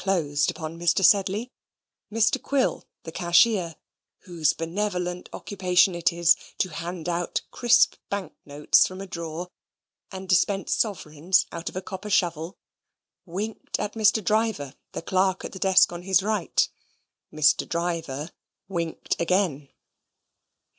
closed upon Mr. Sedley, Mr. Quill, the cashier (whose benevolent occupation it is to hand out crisp bank notes from a drawer and dispense sovereigns out of a copper shovel), winked at Mr. Driver, the clerk at the desk on his right. Mr. Driver winked again.